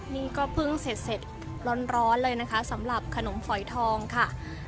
นี่ก็เพิ่งเสร็จร้อนเลยนะคะสำหรับขนมฝอยทองค่ะ